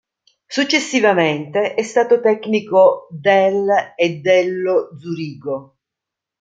Successivamente, è stato tecnico del e dello Zurigo.